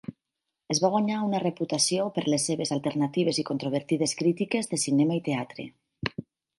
Es va guanyar una reputació per les seves alternatives i controvertides crítiques de cinema i teatre.